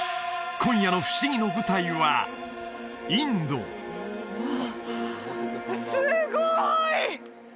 今夜のふしぎの舞台はすごい！